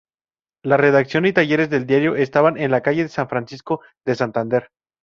La redacción y talleres del diario estaban en la "calle San Francisco" de Santander.